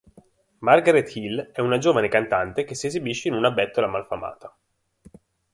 Margaret Hill è una giovane cantante che si esibisce in una bettola malfamata.